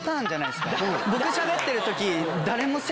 僕しゃべってる時。